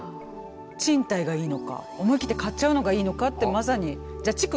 賃貸がいいのか思い切って買っちゃうのがいいのかってまさに。